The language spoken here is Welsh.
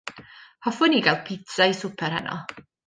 Hoffwn i gael pizza i swper heno.